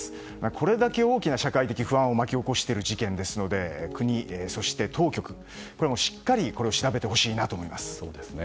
これだけ大きな社会的不安を巻き起こしている事件なので国、そして当局しっかり調べてほしいと思います。